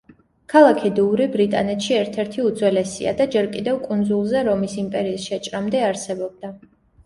ქალაქი დუვრი ბრიტანეთში ერთ-ერთი უძველესია და ჯერ კიდევ კუნძულზე რომის იმპერიის შეჭრამდე არსებობდა.